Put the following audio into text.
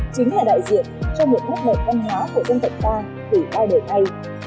chính là đại diện cho một mức mệnh văn hóa của dân tộc ta từ ba đời nay